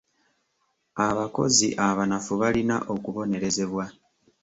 Abakozi abanafu balina okubonerezebwa.